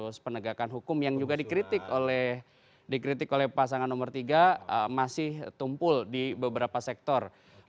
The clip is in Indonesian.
kasus penegakan hukum yang juga dikritik oleh pasangan nomor tiga masih tumpul di beberapa sektor